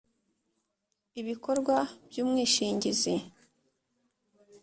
ibikorwa by ‘umwishingizi .